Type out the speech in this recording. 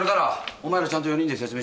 お前らちゃんと４人で説明し。